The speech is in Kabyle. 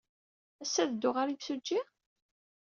Ass-a, ad teddud ɣer yimsujji?